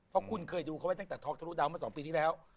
เพราะคุณเคยดูเขาไว้ตั้งแต่ท็อกทะลุดาวมา๒ปีที่แล้ว